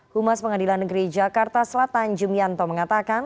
humas pengadilan negeri jakarta selatan jumianto mengatakan